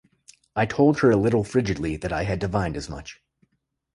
I told her a little frigidly that I had divined as much.